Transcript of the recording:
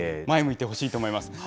前向いてほしいと思います。